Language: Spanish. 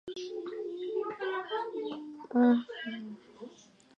Saliente en las competiciones, pasó a ejercer la profesión de entrenador.